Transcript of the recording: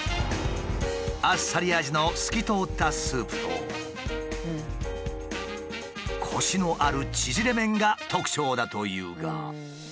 あっさり味の透き通ったスープとコシのある縮れ麺が特徴だというが。